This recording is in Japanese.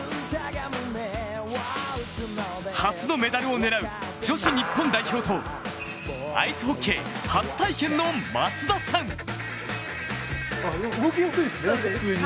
初のメダルを狙う女子日本代表とアイスホッケー初体験の松田さん。